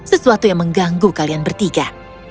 sesuatu yang mengganggu kalian bertiga